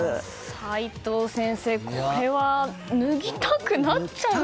齋藤先生、これは脱ぎたくなっちゃうんですかね。